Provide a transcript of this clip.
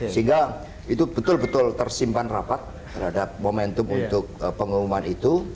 sehingga itu betul betul tersimpan rapat terhadap momentum untuk pengumuman itu